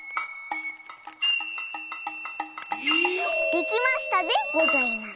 できましたでございます。